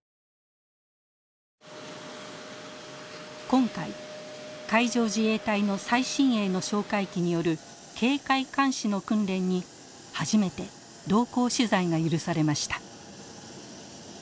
今回海上自衛隊の最新鋭の哨戒機による警戒監視の訓練に初めて同行取材が許されました。